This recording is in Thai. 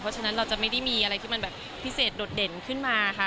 เพราะฉะนั้นเราจะไม่ได้มีอะไรที่มันแบบพิเศษโดดเด่นขึ้นมาค่ะ